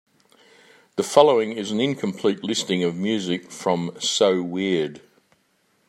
The following is an incomplete listing of music from "So Weird".